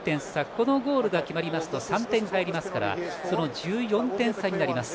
このゴールが決まりますと３点入りますから１４点差になります。